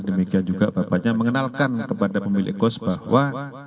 demikian juga bapaknya mengenalkan kepada pemilik kos bahwa